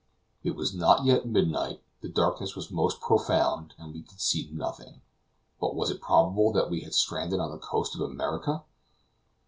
It was not yet midnight; the darkness was most profound, and we could see nothing. But was it probable that we had stranded on the coast of America?